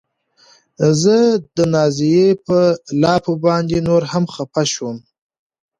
زه د نازيې په لافو باندې نوره هم خپه شوم.